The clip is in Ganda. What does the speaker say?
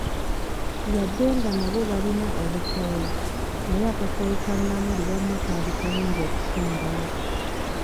Yadde nga nabo balina obukooyi, naye akakooyi ka Namuli wama kaali kalungi okusingawo!